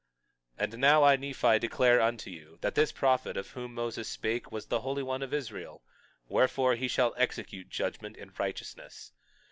22:21 And now I, Nephi, declare unto you, that this prophet of whom Moses spake was the Holy One of Israel; wherefore, he shall execute judgment in righteousness.